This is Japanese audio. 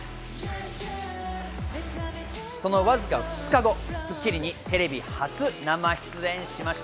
そのわずか２日後『スッキリ』にテレビ初生出演しました。